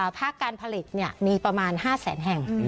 ภาคการผลิตมีประมาณ๕แสนแห่ง